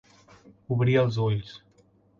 Obrir els ulls.